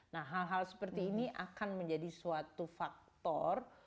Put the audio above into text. nah hal hal seperti ini akan menjadi suatu faktor